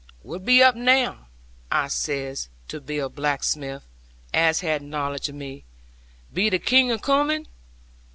"Wutt be up now?" I says to Bill Blacksmith, as had knowledge of me: "be the King acoomin?